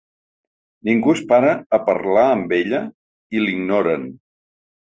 Ningú es para a parla amb ella i l’ignoren.